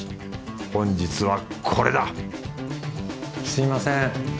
本日はこれだ！すみません。